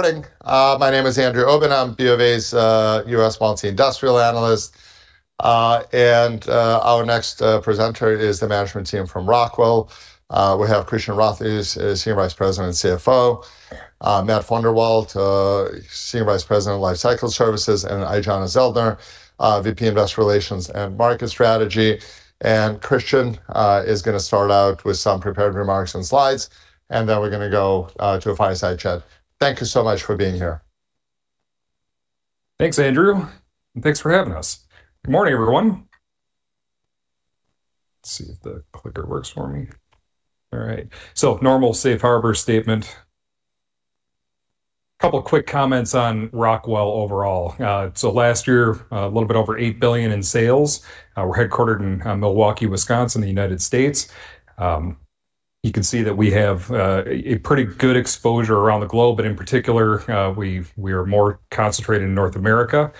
Good morning. My name is Andrew Obin. I'm BofA's US Multi-Industrial Analyst. Our next presenter is the management team from Rockwell. We have Christian Rothe, who is Senior Vice President and CFO, Matt Fordenwalt, Senior Vice President of Lifecycle Services, and Aijana Zellner, VP Investor Relations and Market Strategy. Christian is gonna start out with some prepared remarks and slides, and then we're gonna go to a fireside chat. Thank you so much for being here. Thanks, Andrew, and thanks for having us. Good morning, everyone. Let's see if the clicker works for me. All right. Normal safe harbor statement. Couple quick comments on Rockwell overall. Last year, a little bit over $8 billion in sales. We're headquartered in Milwaukee, Wisconsin in the United States. You can see that we have a pretty good exposure around the globe, but in particular, we're more concentrated in North America.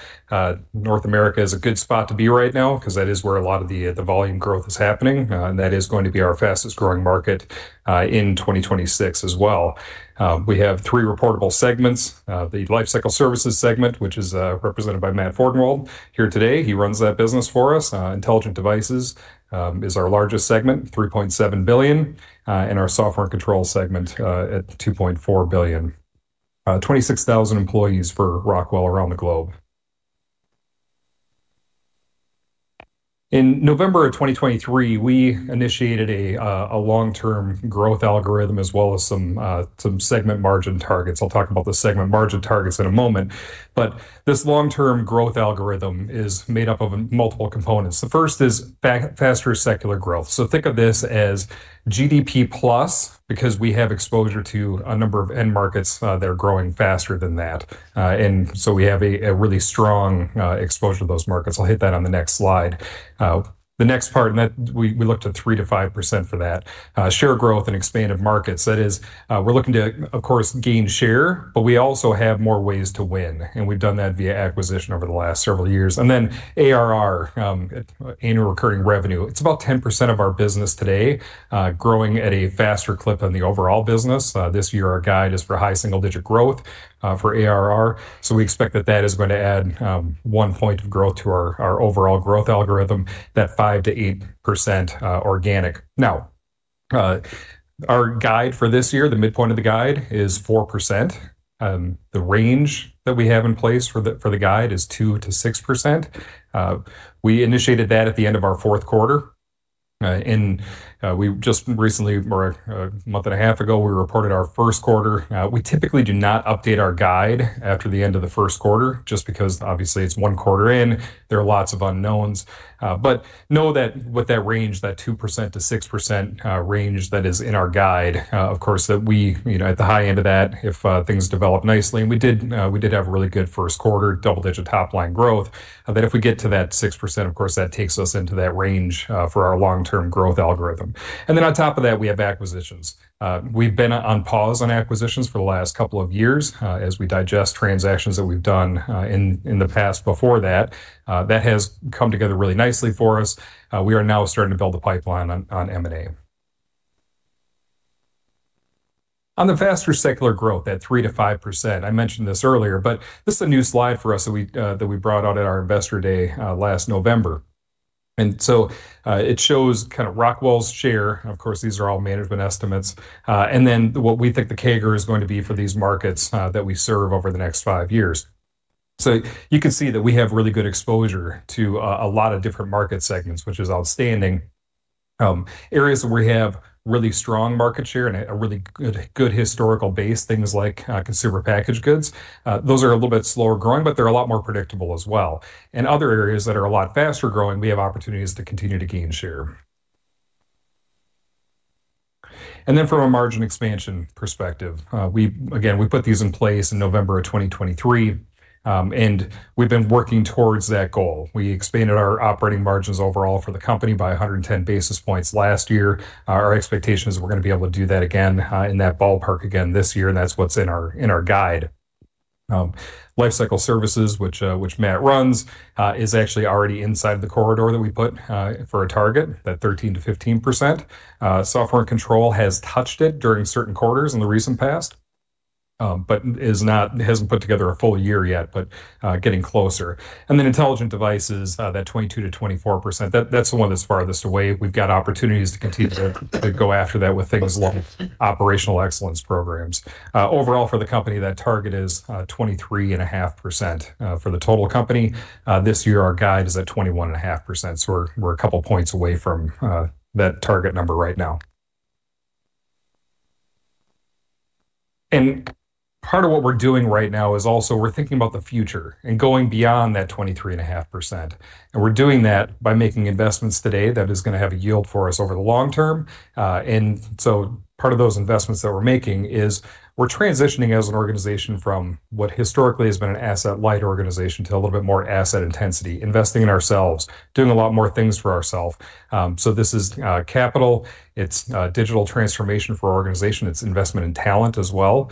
North America is a good spot to be right now 'cause that is where a lot of the volume growth is happening, and that is going to be our fastest-growing market in 2026 as well. We have three reportable segments. The Lifecycle Services segment, which is represented by Matt Fordenwalt here today. He runs that business for us. Intelligent Devices is our largest segment, $3.7 billion, and our Software & Control segment at $2.4 billion. 26,000 employees for Rockwell around the globe. In November of 2023, we initiated a long-term growth algorithm as well as some segment margin targets. I'll talk about the segment margin targets in a moment, but this long-term growth algorithm is made up of multiple components. The first is faster secular growth. Think of this as GDP plus because we have exposure to a number of end markets that are growing faster than that. We have a really strong exposure to those markets. I'll hit that on the next slide. The next part that we looked at 3%-5% for that share growth and expanded markets. That is, we're looking to, of course, gain share, but we also have more ways to win, and we've done that via acquisition over the last several years. ARR, annual recurring revenue. It's about 10% of our business today, growing at a faster clip than the overall business. This year our guide is for high single digit growth for ARR, so we expect that is going to add one point of growth to our overall growth algorithm, that 5%-8% organic. Our guide for this year, the midpoint of the guide is 4%. The range that we have in place for the guide is 2%-6%. We initiated that at the end of our fourth quarter. We just recently, a month and a half ago, we reported our first quarter. We typically do not update our guide after the end of the first quarter just because obviously it's one quarter in. There are lots of unknowns. Know that with that range, that 2%-6% range that is in our guide, of course, that we, you know, at the high end of that if things develop nicely, and we did have a really good first quarter, double-digit top-line growth, that if we get to that 6%, of course, that takes us into that range for our long-term growth algorithm. On top of that, we have acquisitions. We've been on pause on acquisitions for the last couple of years, as we digest transactions that we've done in the past before that. That has come together really nicely for us. We are now starting to build the pipeline on M&A. On the faster secular growth at 3%-5%, I mentioned this earlier, but this is a new slide for us that we brought out at our Investor Day last November. It shows kind of Rockwell's share. Of course, these are all management estimates. What we think the CAGR is going to be for these markets that we serve over the next five years. You can see that we have really good exposure to a lot of different market segments, which is outstanding. Areas where we have really strong market share and a really good historical base, things like consumer packaged goods, those are a little bit slower growing, but they're a lot more predictable as well. In other areas that are a lot faster-growing, we have opportunities to continue to gain share. From a margin expansion perspective, we again put these in place in November of 2023, and we've been working towards that goal. We expanded our operating margins overall for the company by 110 basis points last year. Our expectation is we're gonna be able to do that again, in that ballpark again this year, and that's what's in our guide. Lifecycle Services, which Matt runs, is actually already inside the corridor that we put for a target, that 13%-15%. Software & Control has touched it during certain quarters in the recent past, but hasn't put together a full year yet, but getting closer. Intelligent Devices, that 22%-24%, that's the one that's farthest away. We've got opportunities to continue to go after that with things like operational excellence programs. Overall for the company that target is 23.5% for the total company. This year our guide is at 21.5%, so we're a couple points away from that target number right now. Part of what we're doing right now is also we're thinking about the future and going beyond that 23.5%. We're doing that by making investments today that is gonna have a yield for us over the long term. Part of those investments that we're making is we're transitioning as an organization from what historically has been an asset-light organization to a little bit more asset intensity, investing in ourselves, doing a lot more things for ourself. This is capital. It's digital transformation for our organization. It's investment in talent as well.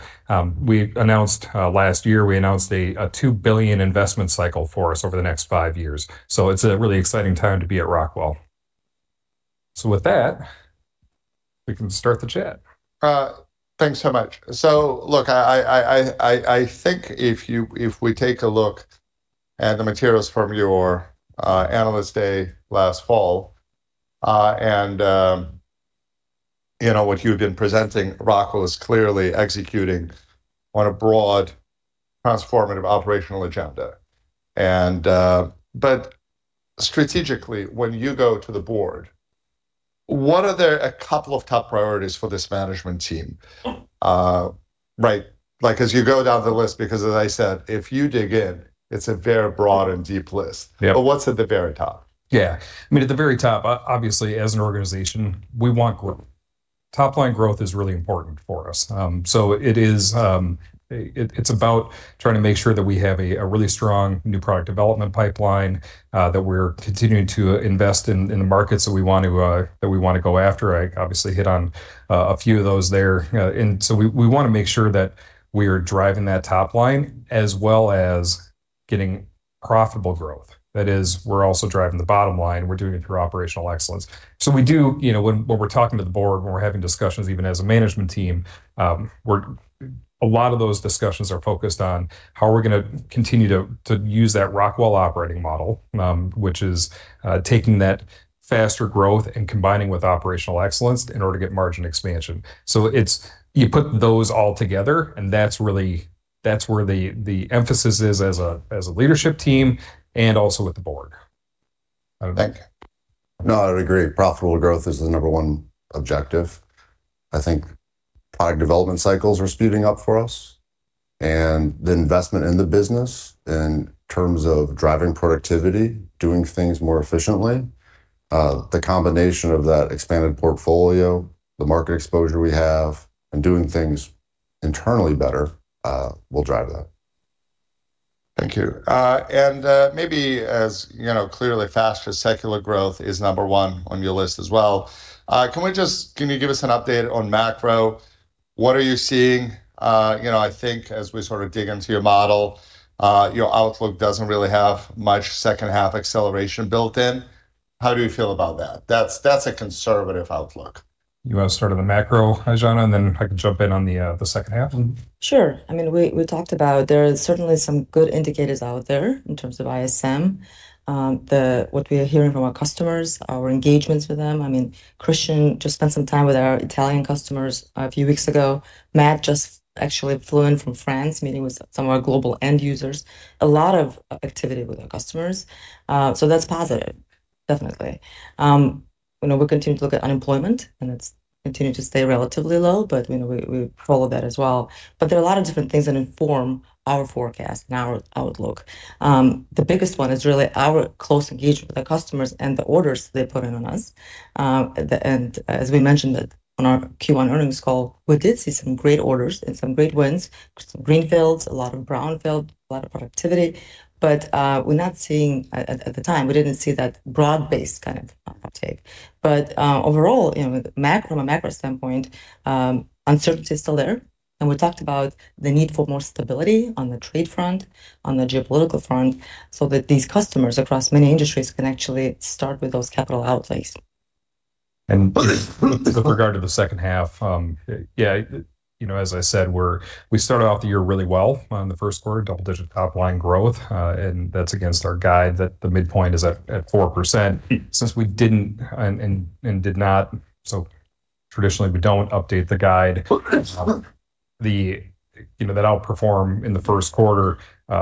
We announced last year a $2 billion investment cycle for us over the next five years, so it's a really exciting time to be at Rockwell. With that, we can start the chat. Thanks so much. Look, I think if we take a look at the materials from your analyst day last fall, and you know, what you've been presenting, Rockwell is clearly executing on a broad transformative operational agenda. Strategically, when you go to the Board, what are a couple of top priorities for this management team? Right. Like, as you go down the list, because as I said, if you dig in, it's a very broad and deep list. Yeah. What's at the very top? Yeah. I mean, at the very top, obviously as an organization, we want growth. Top line growth is really important for us. It's about trying to make sure that we have a really strong new product development pipeline that we're continuing to invest in the markets that we wanna go after. I obviously hit on a few of those there. We wanna make sure that we are driving that top line as well as getting profitable growth. That is, we're also driving the bottom line, we're doing it through operational excellence. You know, when we're talking to the Board, when we're having discussions even as a management team, a lot of those discussions are focused on how we're gonna continue to use that ROK Operating Model, which is taking that faster growth and combining with operational excellence in order to get margin expansion. It's, you put those all together, and that's really where the emphasis is as a leadership team, and also with the Board. Thank you. No, I would agree. Profitable growth is the number one objective. I think product development cycles are speeding up for us, and the investment in the business in terms of driving productivity, doing things more efficiently, the combination of that expanded portfolio, the market exposure we have, and doing things internally better, will drive that. Thank you. Maybe, as you know, clearly faster secular growth is number one on your list as well. Can you give us an update on macro? What are you seeing? You know, I think as we sort of dig into your model, your outlook doesn't really have much second half acceleration built in. How do you feel about that? That's a conservative outlook. You wanna start on the macro, Aijana, and then I can jump in on the second half. Sure. I mean, we talked about there are certainly some good indicators out there in terms of ISM. What we are hearing from our customers, our engagements with them. I mean, Christian just spent some time with our Italian customers a few weeks ago. Matt just actually flew in from France, meeting with some of our global end users. A lot of activity with our customers, so that's positive, definitely. You know, we continue to look at unemployment, and it's continued to stay relatively low, but, you know, we follow that as well. There are a lot of different things that inform our forecast and our outlook. The biggest one is really our close engagement with our customers and the orders they put in on us. as we mentioned it on our Q1 earnings call, we did see some great orders and some great wins, some greenfields, a lot of brownfield, a lot of productivity, but we're not seeing. At the time, we didn't see that broad-based kind of uptake. Overall, you know, with macro, from a macro standpoint, uncertainty is still there, and we talked about the need for more stability on the trade front, on the geopolitical front, so that these customers across many industries can actually start with those capital outlays. With regard to the second half, yeah, you know, as I said, we started off the year really well on the first quarter, double-digit top line growth, and that's against our guide that the midpoint is at 4%. Since we did not, so traditionally we don't update the guide, you know, that outperformance in the first quarter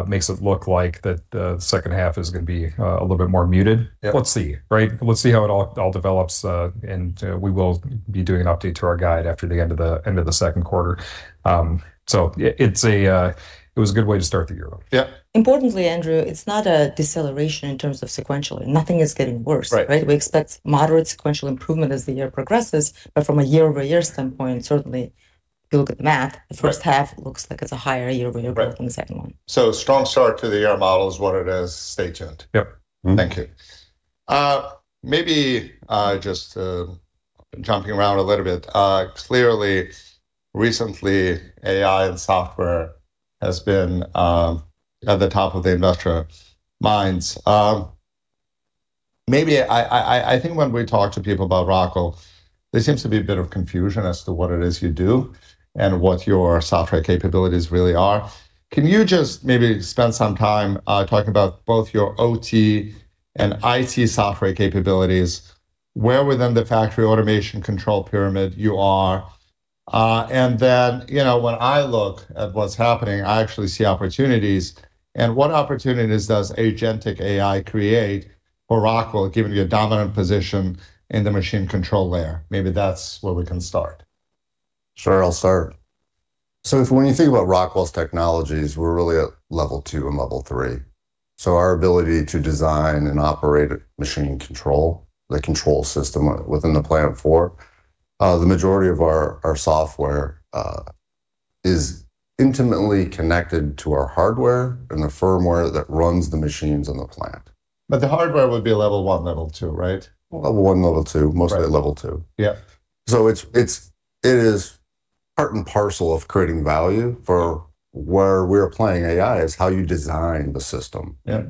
makes it look like the second half is gonna be a little bit more muted. Yeah. Let's see, right? Let's see how it all develops. We will be doing an update to our guide after the end of the second quarter. Yeah, it was a good way to start the year. Yeah. Importantly, Andrew, it's not a deceleration in terms of sequential. Nothing is getting worse, right? Right. We expect moderate sequential improvement as the year progresses, but from a year-over-year standpoint, certainly if you look at the math. Right The first half looks like it's a higher year-over-year growth. Right than the second one. Strong start to the year. Model is what it is. Stay tuned. Yep. Thank you. Maybe, just, jumping around a little bit, clearly recently, AI and software has been at the top of the investor minds. Maybe I think when we talk to people about Rockwell, there seems to be a bit of confusion as to what it is you do and what your software capabilities really are. Can you just maybe spend some time talking about both your OT and IT software capabilities, where within the factory automation control pyramid you are? You know, when I look at what's happening, I actually see opportunities. What opportunities does agentic AI create for Rockwell, given your dominant position in the machine control layer? Maybe that's where we can start. Sure, I'll start. When you think about Rockwell's technologies, we're really at level two and level three. Our ability to design and operate a machine control, the control system within the plant floor, the majority of our software is intimately connected to our hardware and the firmware that runs the machines on the plant. The hardware would be a level one, level two, right? Level one, level two. Right. Mostly level two. Yeah. It is part and parcel of creating value for where we're applying AI is how you design the system. Yeah.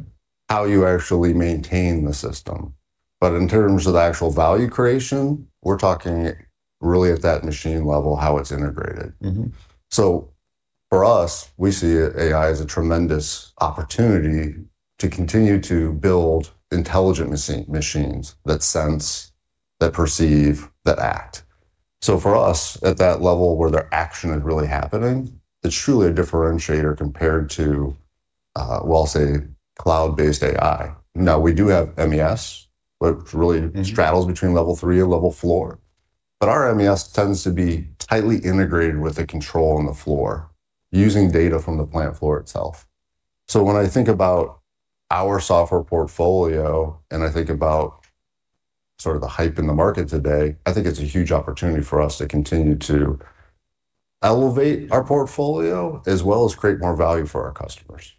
How you actually maintain the system. In terms of the actual value creation, we're talking really at that machine level, how it's integrated. Mm-hmm. For us, we see AI as a tremendous opportunity to continue to build intelligent machines that sense, that perceive, that act. For us, at that level where the action is really happening, it's truly a differentiator compared to, well, I'll say cloud-based AI. Now, we do have MES, which really- Mm-hmm... straddles between level three and level four. Our MES tends to be tightly integrated with the control on the floor, using data from the plant floor itself. When I think about our software portfolio, and I think about sort of the hype in the market today, I think it's a huge opportunity for us to continue to elevate our portfolio as well as create more value for our customers.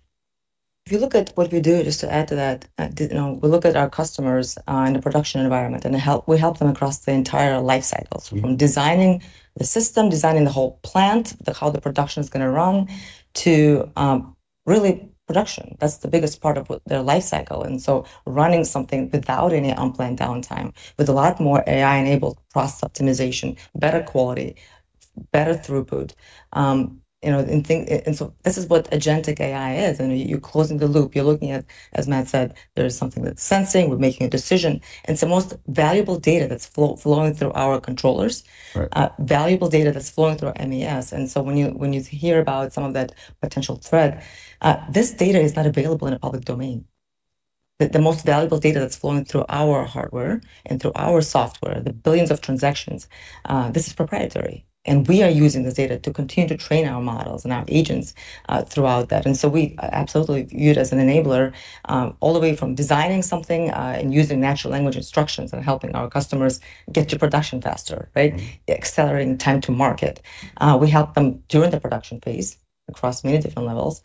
If you look at what we do, just to add to that, you know, we look at our customers in the production environment, and we help them across the entire life cycles. Mm-hmm. From designing the system, designing the whole plant, how the production's gonna run, to really production. That's the biggest part of their life cycle. Running something without any unplanned downtime, with a lot more AI-enabled process optimization. Mm-hmm better quality, better throughput, this is what agentic AI is, and you're closing the loop. You're looking at, as Matt said, there is something that's sensing, we're making a decision. It's the most valuable data that's flowing through our controllers. Right Valuable data that's flowing through our MES. When you hear about some of that potential threat, this data is not available in a public domain. The most valuable data that's flowing through our hardware and through our software, the billions of transactions, this is proprietary. We are using this data to continue to train our models and our agents throughout that. We absolutely view it as an enabler all the way from designing something and using natural language instructions and helping our customers get to production faster, right. Mm-hmm. Accelerating time to market. We help them during the production phase across many different levels.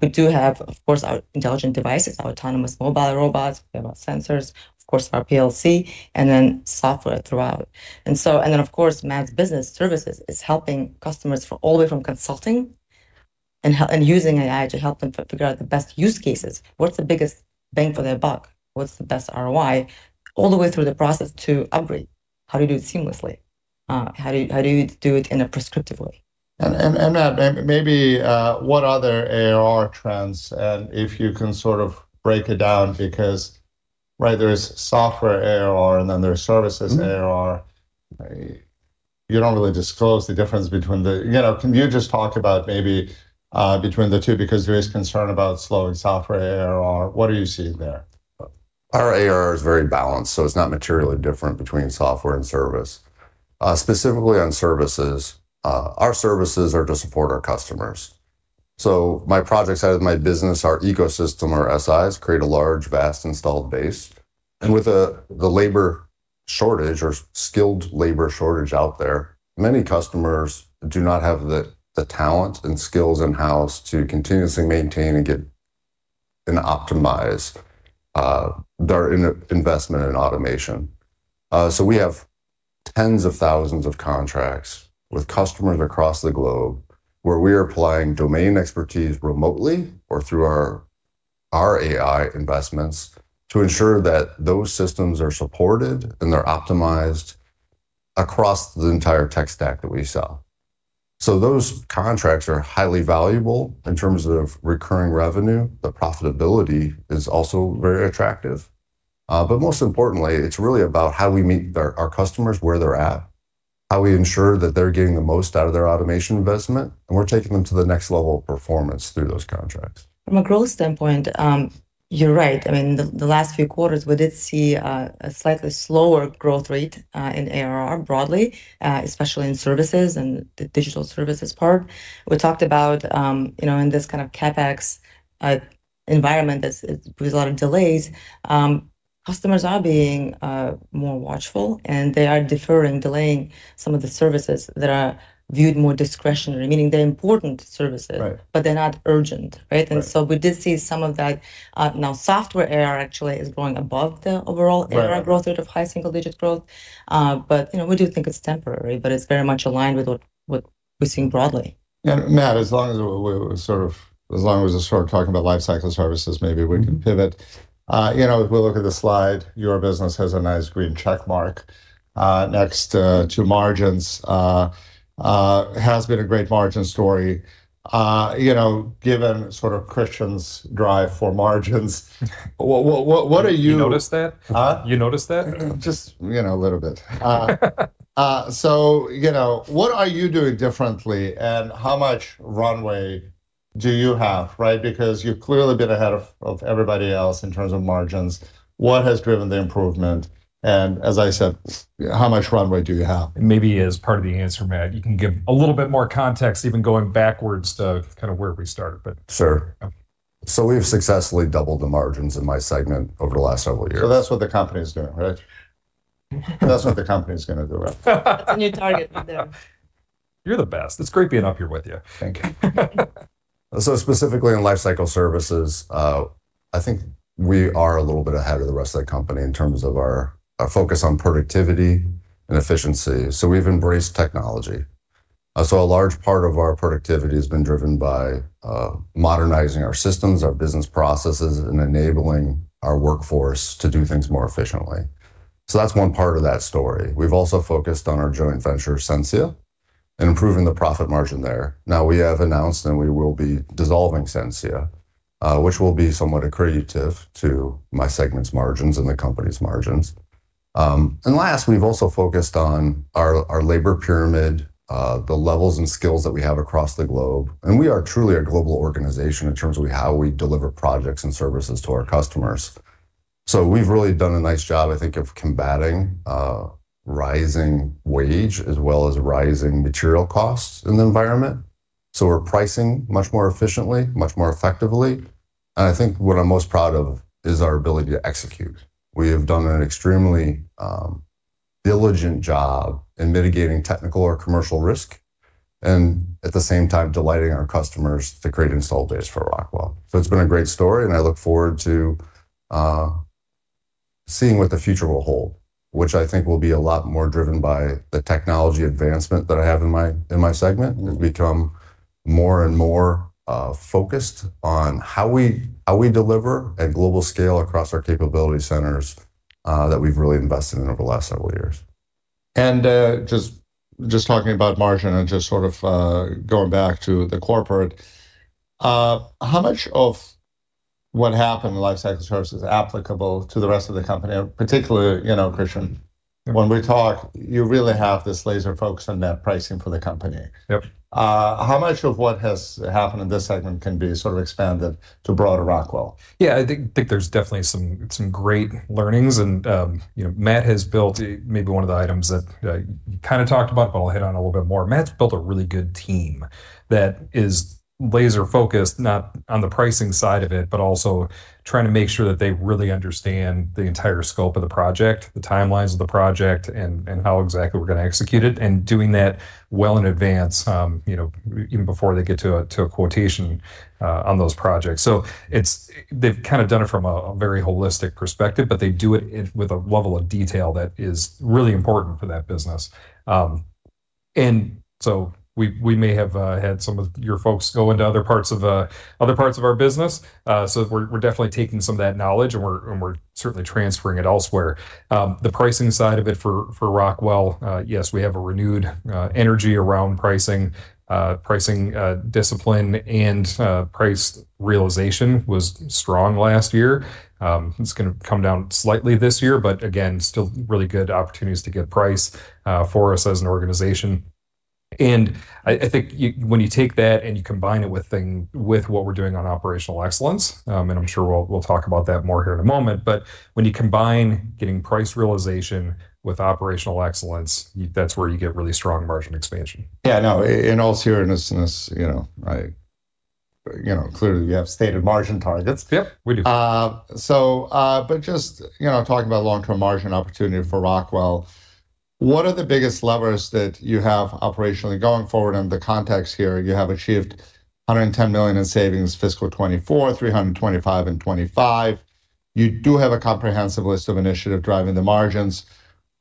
We do have, of course, our Intelligent Devices, our autonomous mobile robots. We have our sensors, of course our PLC, and then software throughout. Of course, Matt's Lifecycle Services is helping customers all the way from consulting and using AI to help them figure out the best use cases. What's the biggest bang for their buck? What's the best ROI? All the way through the process to upgrade. How do you do it seamlessly? How do you do it in a prescriptive way? Matt, maybe what other ARR trends, and if you can sort of break it down because, right, there's software ARR, and then there's services ARR. Mm-hmm. You know, can you just talk about maybe between the two, because there is concern about slowing software ARR. What are you seeing there? Our ARR is very balanced, so it's not materially different between software and service. Specifically on services, our services are to support our customers. My project side of my business, our ecosystem, our SIs, create a large, vast installed base. With the labor shortage or skilled labor shortage out there, many customers do not have the talent and skills in-house to continuously maintain and get and optimize their investment in automation. We have tens of thousands of contracts with customers across the globe where we are applying domain expertise remotely or through our AI investments to ensure that those systems are supported and they're optimized across the entire tech stack that we sell. Those contracts are highly valuable in terms of recurring revenue. The profitability is also very attractive. Most importantly, it's really about how we meet their, our customers where they're at, how we ensure that they're getting the most out of their automation investment, and we're taking them to the next level of performance through those contracts. From a growth standpoint, you're right. I mean, the last few quarters, we did see a slightly slower growth rate in ARR broadly, especially in services and the digital services part. We talked about, you know, in this kind of CapEx environment that's with a lot of delays, customers are being more watchful, and they are deferring, delaying some of the services that are viewed more discretionary, meaning they're important services. Right They're not urgent, right? Right. We did see some of that. Now, software ARR actually is growing above the overall- Right ARR growth rate of high single-digit growth. You know, we do think it's temporary, but it's very much aligned with what we're seeing broadly. Matt, as long as we're sort of talking about Lifecycle Services, maybe we can pivot. Mm-hmm. You know, if we look at the slide, your business has a nice green check mark next to margins. Has been a great margin story, you know, given sort of Christian's drive for margins. You noticed that? Huh? You noticed that? Just, you know, a little bit. So, you know, what are you doing differently, and how much runway do you have, right? Because you've clearly been ahead of everybody else in terms of margins. What has driven the improvement? As I said, how much runway do you have? Maybe as part of the answer, Matt, you can give a little bit more context, even going backwards to kind of where we started, but. Sure. Okay. We've successfully doubled the margins in my segment over the last several years. That's what the company is doing, right? That's what the company's gonna do, right? That's a new target for them. You're the best. It's great being up here with you. Thank you. Specifically in Lifecycle Services, I think we are a little bit ahead of the rest of the company in terms of our focus on productivity and efficiency. We've embraced technology. A large part of our productivity has been driven by modernizing our systems, our business processes, and enabling our workforce to do things more efficiently. That's one part of that story. We've also focused on our joint venture, Sensia, and improving the profit margin there. Now, we have announced, and we will be dissolving Sensia, which will be somewhat accretive to my segment's margins and the company's margins. Last, we've also focused on our labor pyramid, the levels and skills that we have across the globe, and we are truly a global organization in terms of how we deliver projects and services to our customers. We've really done a nice job, I think, of combating rising wage as well as rising material costs in the environment. We're pricing much more efficiently, much more effectively, and I think what I'm most proud of is our ability to execute. We have done an extremely diligent job in mitigating technical or commercial risk, and at the same time, delighting our customers to create installed base for Rockwell. It's been a great story, and I look forward to seeing what the future will hold, which I think will be a lot more driven by the technology advancement that I have in my segment, and become more and more focused on how we deliver at global scale across our capability centers that we've really invested in over the last several years. Just talking about margin and just sort of going back to the corporate, how much of what happened in Lifecycle Services is applicable to the rest of the company? Particularly, you know, Christian, when we talk, you really have this laser focus on net pricing for the company. Yep. How much of what has happened in this segment can be sort of expanded to broader Rockwell? Yeah. I think there's definitely some great learnings and, you know, Matt has built maybe one of the items that you kinda talked about, but I'll hit on a little bit more. Matt's built a really good team that is laser-focused, not on the pricing side of it, but also trying to make sure that they really understand the entire scope of the project, the timelines of the project, and how exactly we're gonna execute it, and doing that well in advance, you know, even before they get to a quotation on those projects. They've kind of done it from a very holistic perspective, but they do it with a level of detail that is really important for that business. We may have had some of your folks go into other parts of our business. We're definitely taking some of that knowledge and we're certainly transferring it elsewhere. The pricing side of it for Rockwell, yes, we have a renewed energy around pricing discipline and price realization was strong last year. It's gonna come down slightly this year, but again, still really good opportunities to get price for us as an organization. I think when you take that and you combine it with what we're doing on operational excellence, and I'm sure we'll talk about that more here in a moment, but when you combine getting price realization with operational excellence, that's where you get really strong margin expansion. Yeah, I know. Also here in a sense, you know, you know, clearly you have stated margin targets. Yep. We do. Just, you know, talking about long-term margin opportunity for Rockwell, what are the biggest levers that you have operationally going forward? In the context here, you have achieved $110 million in savings fiscal 2024, $325 million in 2025. You do have a comprehensive list of initiatives driving the margins.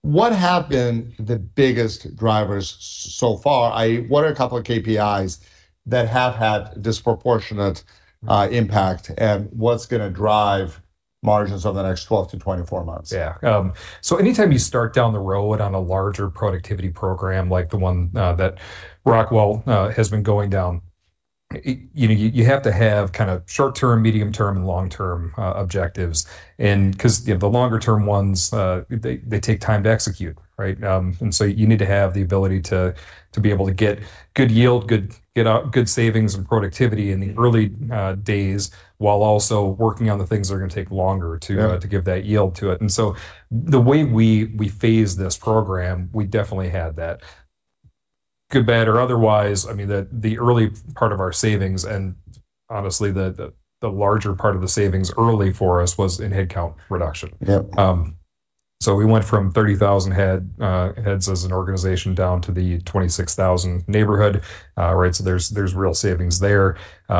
What have been the biggest drivers so far? What are a couple of KPIs that have had disproportionate impact, and what's gonna drive margins over the next 12-24 months? So anytime you start down the road on a larger productivity program like the one that Rockwell has been going down, you know, you have to have kind of short-term, medium-term, and long-term objectives. Because, you know, the longer term ones, they take time to execute, right? You need to have the ability to be able to get good yield, good savings and productivity in the early days, while also working on the things that are gonna take longer to Yeah to give that yield to it. The way we phase this program, we definitely had that. Good, bad or otherwise, I mean, the early part of our savings and honestly the larger part of the savings early for us was in headcount reduction. Yep. We went from 30,000 heads as an organization down to the 26,000 neighborhood. Right? There's real savings there. You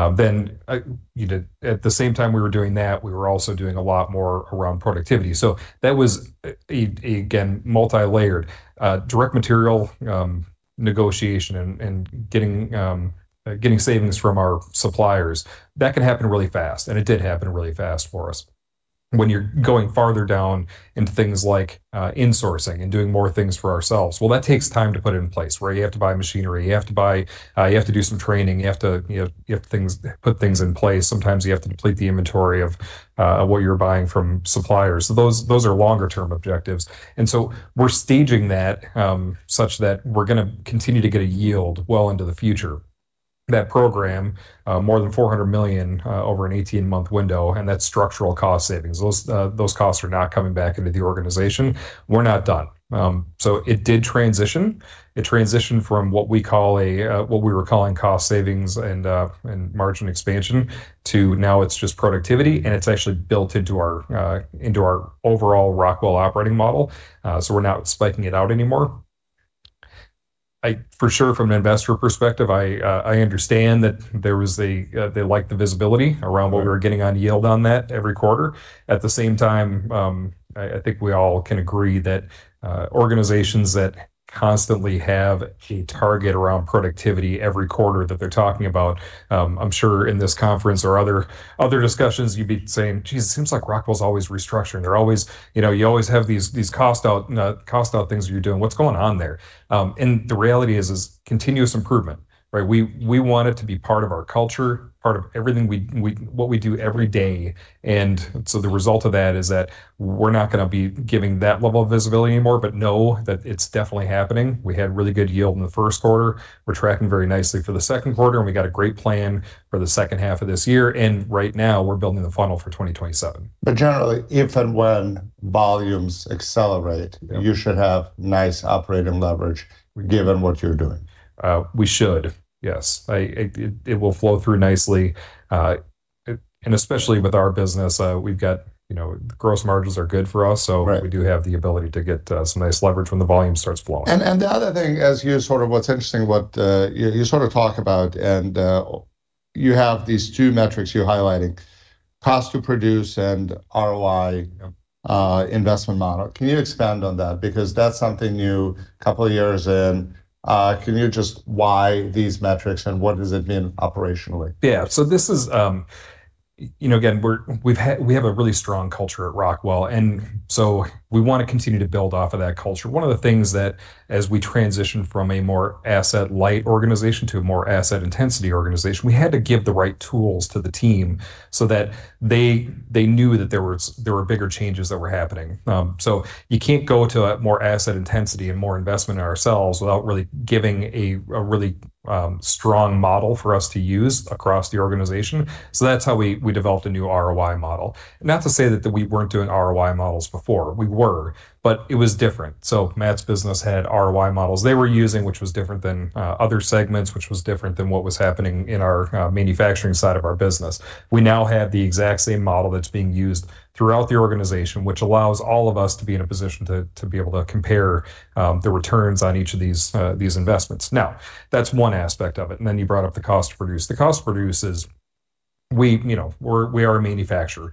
know, at the same time we were doing that, we were also doing a lot more around productivity. That was again, multi-layered. Direct material negotiation and getting savings from our suppliers, that can happen really fast, and it did happen really fast for us. When you're going farther down into things like insourcing and doing more things for ourselves, well, that takes time to put it in place, where you have to buy machinery, you have to buy, you have to do some training, you have to, you know, put things in place. Sometimes you have to deplete the inventory of what you're buying from suppliers. Those are longer term objectives. We're staging that such that we're gonna continue to get a yield well into the future. That program more than $400 million over an 18-month window, and that's structural cost savings. Those costs are not coming back into the organization. We're not done. It did transition. It transitioned from what we call a what we were calling cost savings and margin expansion to now it's just productivity, and it's actually built into our overall Rockwell operating model. We're not spiking it out anymore. I for sure from an investor perspective I understand that there was a they liked the visibility around what we were getting on yield on that every quarter. At the same time, I think we all can agree that organizations that constantly have a target around productivity every quarter that they're talking about, I'm sure in this conference or other discussions, you'd be saying, "Geez, it seems like Rockwell's always restructuring. They're always. You know, you always have these cost out things that you're doing. What's going on there?" The reality is continuous improvement, right? We want it to be part of our culture, part of everything we do every day. The result of that is that we're not gonna be giving that level of visibility anymore, but know that it's definitely happening. We had really good yield in the first quarter. We're tracking very nicely for the second quarter, and we got a great plan for the second half of this year. Right now, we're building the funnel for 2027. Generally, if and when volumes accelerate- Yeah You should have nice operating leverage given what you're doing. We should, yes. It will flow through nicely. Especially with our business, we've got, you know, the gross margins are good for us. Right We do have the ability to get some nice leverage when the volume starts flowing. The other thing you sort of talk about and you have these two metrics you're highlighting, cost to produce and ROI. Yeah... investment model. Can you expand on that? Because that's something you, couple of years in, can you just why these metrics and what has it been operationally? Yeah. This is, you know, again, we have a really strong culture at Rockwell, and so we wanna continue to build off of that culture. One of the things that as we transition from a more asset-light organization to a more asset-intensive organization, we had to give the right tools to the team so that they knew that there were bigger changes that were happening. You can't go to a more asset-intensive and more investment in ourselves without really giving a really strong model for us to use across the organization. That's how we developed a new ROI model. Not to say that we weren't doing ROI models before. We were, but it was different. Matt's business had ROI models they were using, which was different than other segments, which was different than what was happening in our manufacturing side of our business. We now have the exact same model that's being used throughout the organization, which allows all of us to be in a position to be able to compare the returns on each of these these investments. Now, that's one aspect of it, and then you brought up the cost to produce. The cost to produce is we, you know, we are a manufacturer.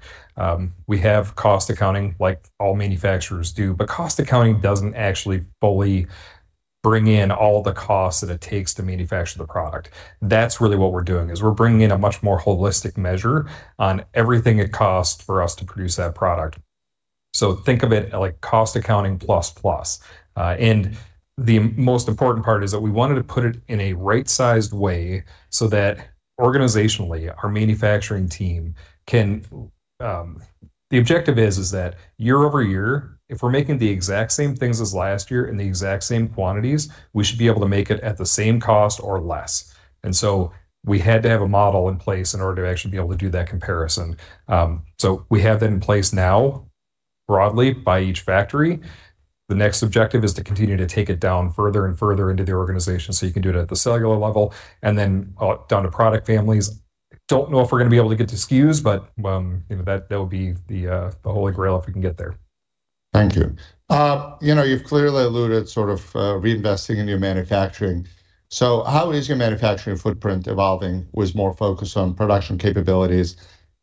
We have cost accounting like all manufacturers do, but cost accounting doesn't actually fully bring in all the costs that it takes to manufacture the product. That's really what we're doing, is we're bringing in a much more holistic measure on everything it costs for us to produce that product. Think of it like cost accounting plus plus. The most important part is that we wanted to put it in a right sized way so that organizationally, our manufacturing team can. The objective is that year-over-year, if we're making the exact same things as last year in the exact same quantities, we should be able to make it at the same cost or less. We had to have a model in place in order to actually be able to do that comparison. We have that in place now broadly by each factory. The next objective is to continue to take it down further and further into the organization, so you can do it at the cellular level and then, down to product families. Don't know if we're gonna be able to get to SKUs, but you know, that would be the Holy Grail if we can get there. Thank you. You know, you've clearly alluded sort of reinvesting in your manufacturing. How is your manufacturing footprint evolving with more focus on production capabilities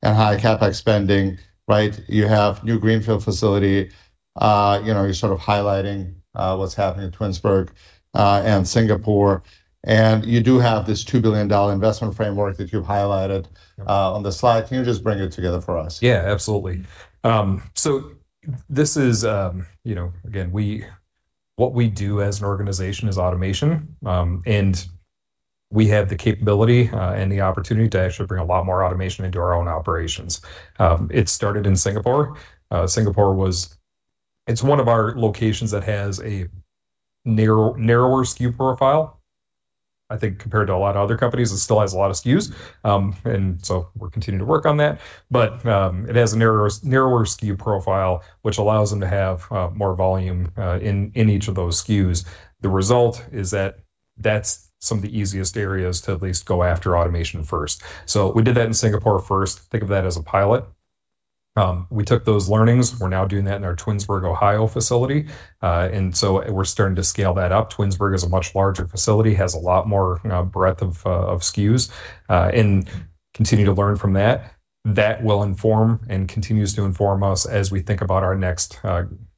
and high CapEx spending, right? You have new greenfield facility. You know, you're sort of highlighting what's happening in Twinsburg and Singapore, and you do have this $2 billion investment framework that you've highlighted. Yeah on the slide. Can you just bring it together for us? Yeah, absolutely. This is, you know, again, we what we do as an organization is automation, and we have the capability and the opportunity to actually bring a lot more automation into our own operations. It started in Singapore. It's one of our locations that has a narrower SKU profile. I think compared to a lot of other companies, it still has a lot of SKUs. We're continuing to work on that. It has a narrower SKU profile, which allows them to have more volume in each of those SKUs. The result is that that's some of the easiest areas to at least go after automation first. We did that in Singapore first. Think of that as a pilot. We took those learnings. We're now doing that in our Twinsburg, Ohio facility. We're starting to scale that up. Twinsburg is a much larger facility, has a lot more breadth of SKUs and continue to learn from that. That will inform and continues to inform us as we think about our next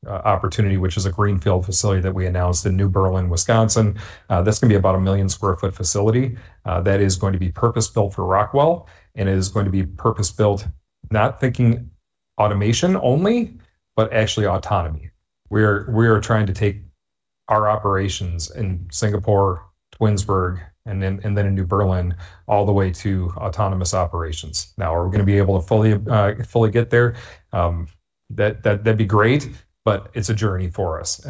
opportunity, which is a greenfield facility that we announced in New Berlin, Wisconsin. That's gonna be about 1 million sq ft facility that is going to be purpose-built for Rockwell and is going to be purpose-built, not thinking automation only, but actually autonomy. We're trying to take our operations in Singapore, Twinsburg, and then in New Berlin, all the way to autonomous operations. Now, are we gonna be able to fully get there? That'd be great, but it's a journey for us.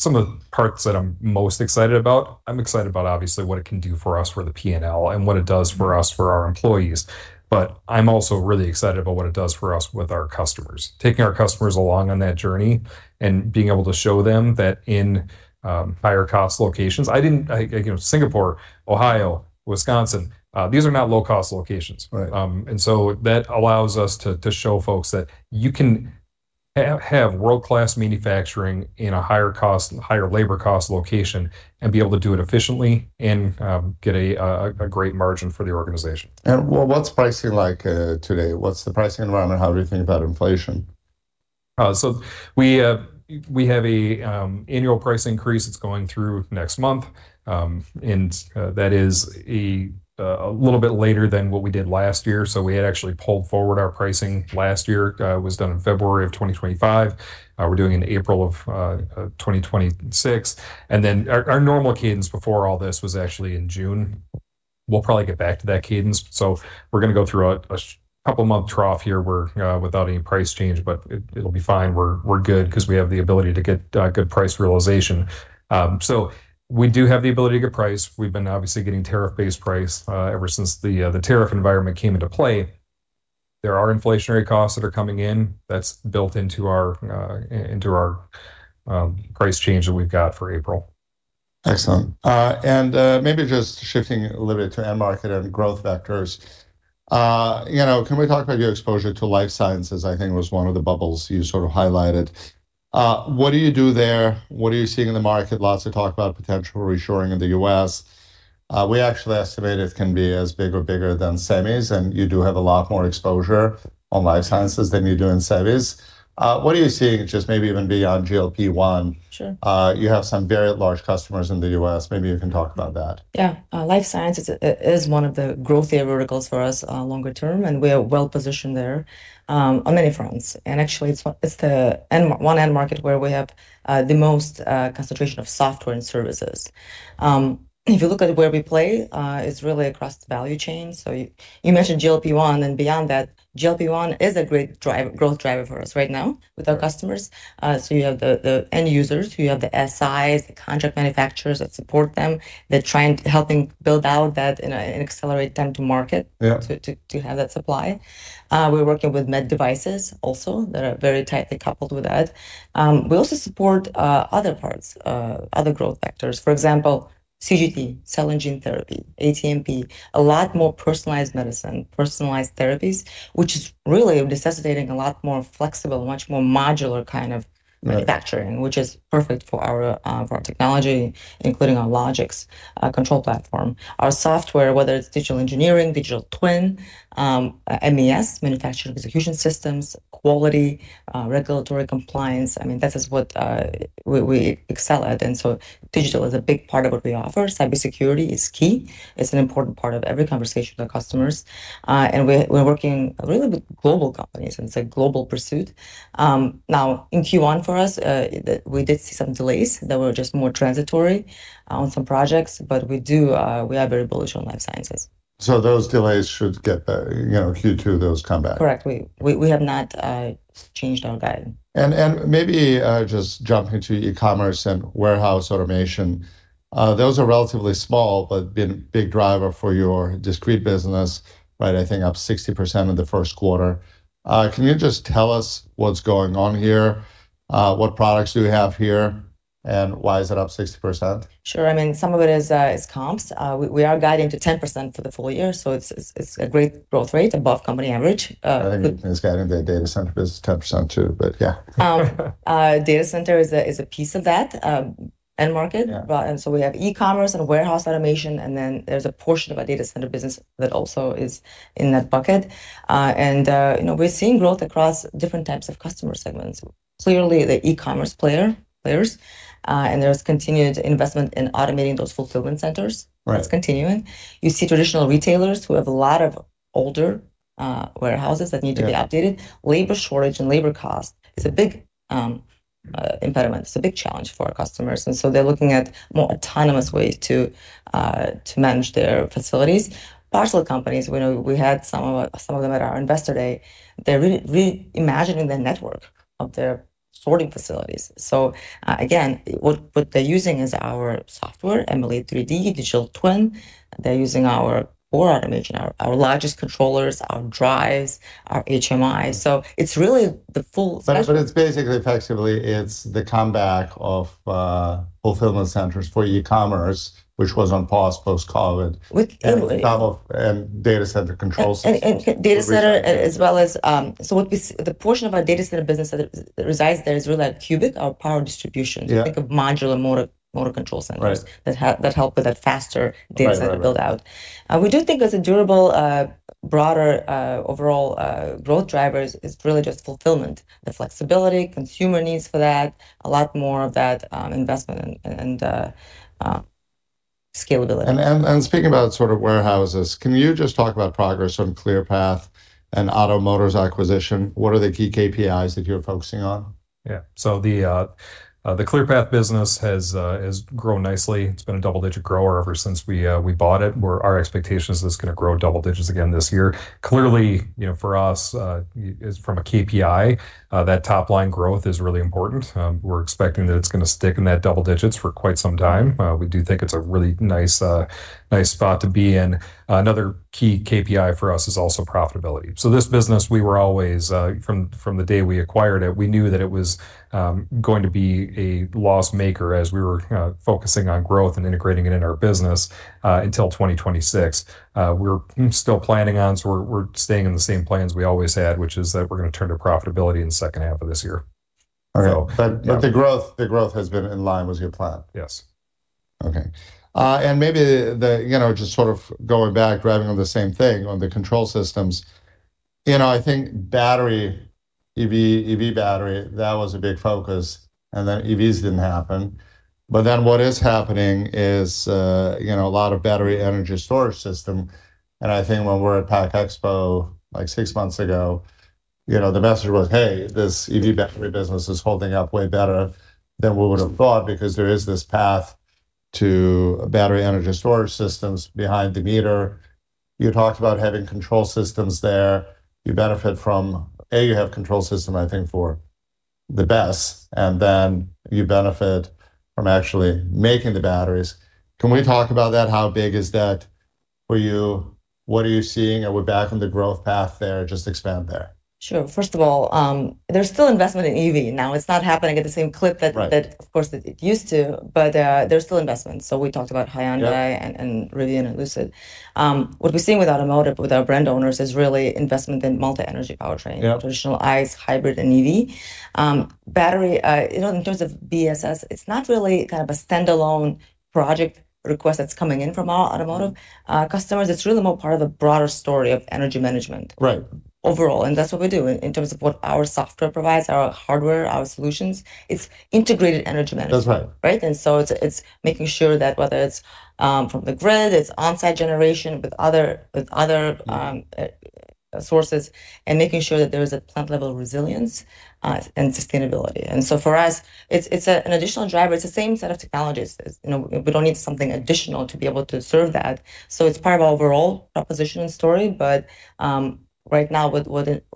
Some of the parts that I'm most excited about, I'm excited about obviously what it can do for us for the P&L and what it does for us for our employees, but I'm also really excited about what it does for us with our customers. Taking our customers along on that journey and being able to show them that in higher cost locations, you know, Singapore, Ohio, Wisconsin, these are not low cost locations. Right. That allows us to show folks that you can have world-class manufacturing in a higher cost, higher labor cost location and be able to do it efficiently and get a great margin for the organization. What's pricing like today? What's the pricing environment? How do you think about inflation? We have an annual price increase that's going through next month. That is a little bit later than what we did last year. We had actually pulled forward our pricing last year was done in February of 2025. We're doing in April of 2026. Our normal cadence before all this was actually in June. We'll probably get back to that cadence. We're gonna go through a couple month trough here where without any price change, but it'll be fine. We're good 'cause we have the ability to get good price realization. We do have the ability to get price. We've been obviously getting tariff-based price ever since the tariff environment came into play. There are inflationary costs that are coming in that's built into our price change that we've got for April. Excellent. Maybe just shifting a little bit to end market and growth vectors. You know, can we talk about your exposure to life sciences? I think was one of the buckets you sort of highlighted. What do you do there? What are you seeing in the market? Lots of talk about potential reshoring in the U.S. We actually estimate it can be as big or bigger than semis, and you do have a lot more exposure in life sciences than you do in semis. What are you seeing just maybe even beyond GLP-1? Sure. You have some very large customers in the U.S. Maybe you can talk about that. Yeah. Life sciences is one of the growth verticals for us longer term, and we are well-positioned there on many fronts. Actually it's one end market where we have the most concentration of software and services. If you look at where we play, it's really across the value chain. You mentioned GLP-1 and beyond that, GLP-1 is a great growth driver for us right now with our customers. You have the end users, you have the SIs, the contract manufacturers that support them, that try and helping build out that and accelerate time to market- Yeah to have that supply. We're working with med devices also that are very tightly coupled with that. We also support other growth vectors. For example, CGT, cell and gene therapy, ATMP, a lot more personalized medicine, personalized therapies, which is really necessitating a lot more flexible and much more modular kind of manufacturing. Right. which is perfect for our technology, including our Logix Control Platform. Our software, whether it's digital engineering, digital twin, MES, manufacturing execution systems, quality, regulatory compliance, I mean, that is what we excel at. Digital is a big part of what we offer. Cybersecurity is key. It's an important part of every conversation with our customers. We're working really with global companies, and it's a global pursuit. Now in Q1 for us, we did see some delays that were just more transitory on some projects, but we are very bullish on life sciences. Those delays should get better. You know, Q2, those come back. Correct. We have not changed our guide. Maybe just jumping to e-commerce and warehouse automation, those are relatively small, but been big driver for your discrete business, right? I think up 60% in the first quarter. Can you just tell us what's going on here? What products do you have here, and why is it up 60%? Sure. I mean, some of it is comps. We are guiding to 10% for the full year, so it's a great growth rate above company average. I think it's guiding the data center business 10% too, but yeah. Data center is a piece of that end market. Yeah. We have e-commerce and warehouse automation, and then there's a portion of our data center business that also is in that bucket. You know, we're seeing growth across different types of customer segments. Clearly the e-commerce players, and there's continued investment in automating those fulfillment centers. Right. That's continuing. You see traditional retailers who have a lot of older warehouses that need to be updated. Yeah. Labor shortage and labor cost is a big impediment. It's a big challenge for our customers, and they're looking at more autonomous ways to manage their facilities. Parcel companies, you know, we had some of them at our Investor Day, they're reimagining the network of their sorting facilities. Again, what they're using is our software, Emulate3D, digital twin. They're using our core automation, our largest controllers, our drives, our HMI. It's really the full spectrum. It's basically effectively the comeback of fulfillment centers for e-commerce, which was on pause post-COVID. With Emulate. On top of data center control systems recently. data center as well as the portion of our data center business that resides there is really like CUBIC, our power distribution. Yeah. They're like modular motor control centers. Right that help with that faster data center build out. Right. We do think as a durable, broader, overall, growth drivers is really just fulfillment, the flexibility consumer needs for that, a lot more of that, investment and scalability. Speaking about sort of warehouses, can you just talk about progress on Clearpath and OTTO Motors acquisition? What are the key KPIs that you're focusing on? Yeah. The Clearpath business has grown nicely. It's been a double-digit grower ever since we bought it, where our expectation is it's gonna grow double digits again this year. Clearly, you know, for us, from a KPI, that top line growth is really important. We're expecting that it's gonna stick in that double digits for quite some time. We do think it's a really nice spot to be in. Another key KPI for us is also profitability. This business, we were always, from the day we acquired it, we knew that it was going to be a loss maker as we were focusing on growth and integrating it in our business, until 2026. We're staying in the same plans we always had, which is that we're gonna turn to profitability in the second half of this year. Okay. Yeah. The growth has been in line with your plan? Yes. Okay. Maybe you know, just sort of going back, driving on the same thing on the control systems, you know, I think battery EV battery, that was a big focus, and then EVs didn't happen. What is happening is, you know, a lot of battery energy storage system, and I think when we're at PACK EXPO, like six months ago, you know, the message was, "Hey, this EV battery business is holding up way better than we would have thought," because there is this path to battery energy storage systems behind the meter. You talked about having control systems there. You benefit from A, you have control system, I think, for the BESS, and then you benefit from actually making the batteries. Can we talk about that? How big is that for you? What are you seeing? Are we back on the growth path there? Just expand there. Sure. First of all, there's still investment in EV. Now, it's not happening at the same clip that- Right... that, of course, that it used to, but, there's still investment. We talked about Hyundai- Yeah... and Rivian and Lucid. What we're seeing with automotive, with our brand owners is really investment in multi-energy powertrain. Yeah. Traditional ICE, hybrid, and EV. Battery, you know, in terms of BESS, it's not really kind of a standalone project request that's coming in from our automotive customers. It's really more part of the broader story of energy management. Right Overall, that's what we do. In terms of what our software provides, our hardware, our solutions, it's integrated energy management. That's right. Right? It's making sure that whether it's from the grid, it's on-site generation with other sources and making sure that there is a plant-level resilience and sustainability. For us, it's an additional driver. It's the same set of technologies. We don't need something additional to be able to serve that, so it's part of our overall proposition and story. Right now what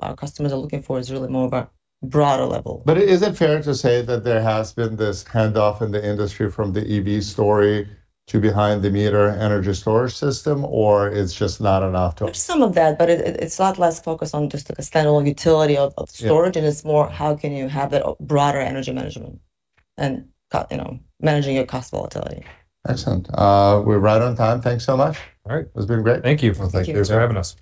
our customers are looking for is really more of a broader level. Is it fair to say that there has been this handoff in the industry from the EV story to behind the meter energy storage system, or it's just not enough to? There's some of that, but it's a lot less focused on just like a standalone utility of storage. Yeah It's more how can you have a broader energy management and, you know, managing your cost volatility. Excellent. We're right on time. Thanks so much. All right. It's been great. Thank you. Well, thank you. Thanks for having us.